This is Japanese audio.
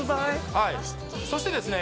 はいそしてですね